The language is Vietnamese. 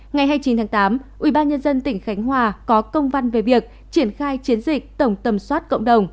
ngày hai mươi chín tháng tám ubnd tỉnh khánh hòa có công văn về việc triển khai chiến dịch tổng tầm soát cộng đồng